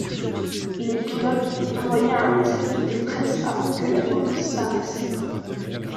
Les pilotes ont envoyé un message de détresse avant que l'avion ne disparaisse.